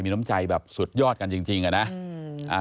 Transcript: มีน้ำใจแบบสุดยอดกันจริงอะนะ